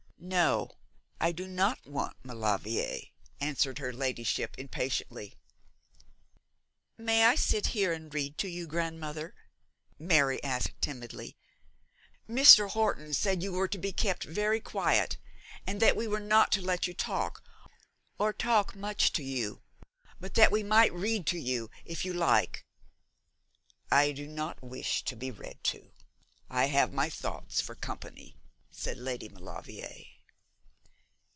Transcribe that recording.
'No, I do not want Maulevrier!' answered her ladyship impatiently. 'May I sit here and read to you, grandmother?' Mary asked, timidly. 'Mr. Horton said you were to be kept very quiet, and that we were not to let you talk, or talk much to you, but that we might read to you if you like.' 'I do not wish to be read to. I have my thoughts for company,' said Lady Maulevrier.